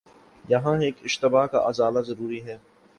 یہاں ایک اشتباہ کا ازالہ ضروری ہے۔